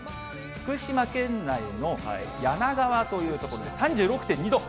福島県内の梁川という所、３６．２度。